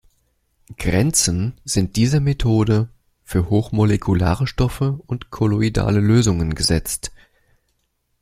Grenzen sind dieser Methode für hochmolekulare Stoffe und kolloidale Lösungen gesetzt.